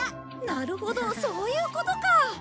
なるほどそういうことか！